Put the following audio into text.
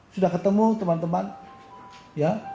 sudah ketemu teman teman ya